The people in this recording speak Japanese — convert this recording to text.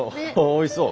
おいしそう。